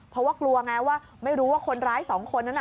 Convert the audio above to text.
เพราะว่ากลัวไงว่าไม่รู้ว่าคนร้ายสองคนนั้นน่ะ